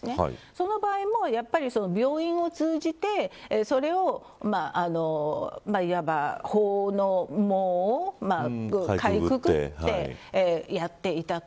その場合も、やはり病院を通じてそれをいわば法をかいくぐって、やっていた。